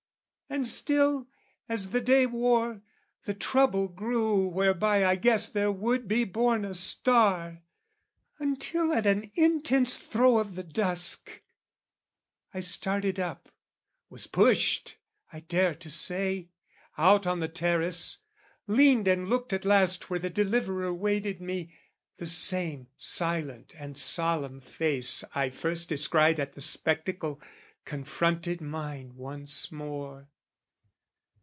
And still, as the day wore, the trouble grew Whereby I guessed there would be born a star, Until at an intense throe of the dusk, I started up, was pushed, I dare to say, Out on the terrace, leaned and looked at last Where the deliverer waited me: the same Silent and solemn face, I first descried At the spectacle, confronted mine once more.